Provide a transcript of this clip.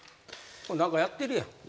何かやってるやん。